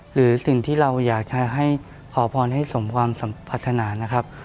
หรือสิ่งที่เราอยากให้ขอพรให้สมความพัฒนา